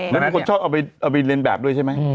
แล้วมีคนชอบเอาไปเรียนแบบด้วยใช่ไหม